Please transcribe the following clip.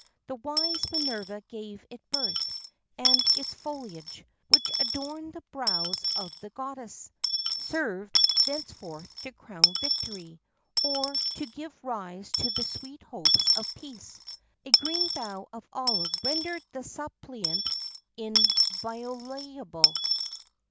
The wise Minerva gave it birth;[XII 1] and its foliage, which adorned the brows of the goddess,[XII 2] served, thenceforth, to crown victory,[XII 3] or to give rise to the sweet hopes of peace.[XII 4] A green bough of olive rendered the suppliant inviolable.